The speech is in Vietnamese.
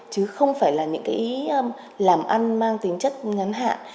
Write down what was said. chứ không phải là những cái làm ăn mang tính chất ngắn hạn